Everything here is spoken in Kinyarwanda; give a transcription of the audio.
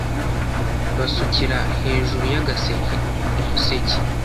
basukira hejuru y’agaseke(umuseke)